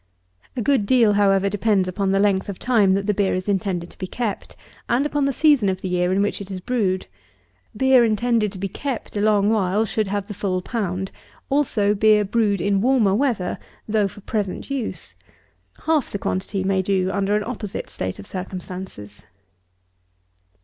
A good deal, however, depends upon the length of time that the beer is intended to be kept, and upon the season of the year in which it is brewed. Beer intended to be kept a long while should have the full pound, also beer brewed in warmer weather, though for present use: half the quantity may do under an opposite state of circumstances.